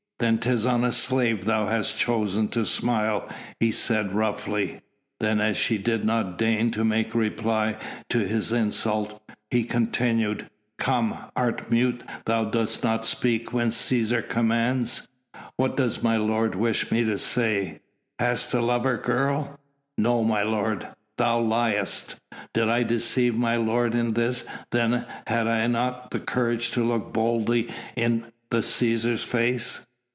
"Then 'tis on a slave thou hast chosen to smile," he said roughly. Then as she did not deign to make reply to this insult, he continued: "Come! Art mute that thou dost not speak when Cæsar commands?" "What does my lord wish me to say?" "Hast a lover, girl?" "No, my lord." "Thou liest." "Did I deceive my lord in this, then had I not the courage to look boldly in the Cæsar's face."